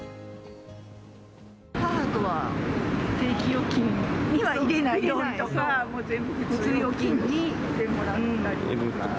母とは定期預金に入れないようにとか、全部普通預金にしてもらったり。